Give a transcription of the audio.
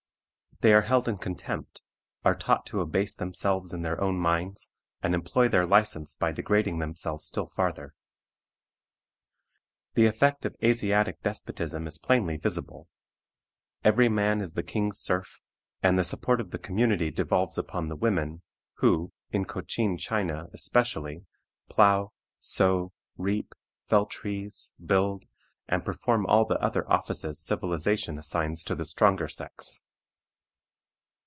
They are held in contempt, are taught to abase themselves in their own minds, and employ their license by degrading themselves still farther. The effect of Asiatic despotism is plainly visible: every man is the king's serf, and the support of the community devolves upon the women, who, in Cochin China especially, plow, sow, reap, fell trees, build, and perform all the other offices civilization assigns to the stronger sex.